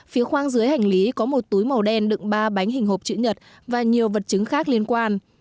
phía khoang dưới hành lý có một túi màu đen đựng ba bánh hình hộp chữ nhật và nhiều vật chứng khác liên quan